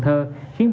thành phố cần thơ